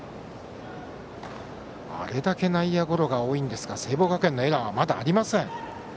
あれだけ内野ゴロが多いんですが聖望学園のエラーはまだありません。